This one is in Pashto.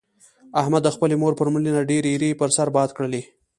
احمد د خپلې مور پر مړینه ډېرې ایرې پر سر باد کړلې.